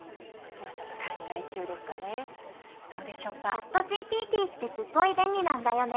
ＣｈａｔＧＰＴってすごい便利なんだよね。